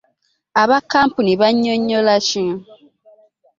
Aba kkampuni bannyonnyola ki.